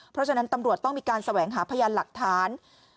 เพราะฉะนั้นตำรวจต้องมีการแสวงหาพยานหลักฐาน